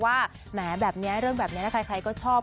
ว่าแหมเรื่องแบบนี้ใครก็ชอบ